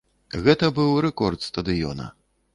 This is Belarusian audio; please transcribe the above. Гэта быў рэкорд стадыёна.